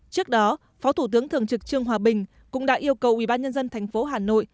trước đó phó thủ tướng thường trực trương hòa bình cũng đã yêu cầu ubnd tp hà nội